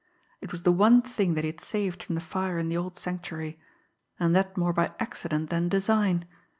It was the one thing that he had saved from the fire in the old Sanctuary and that more by accident than design.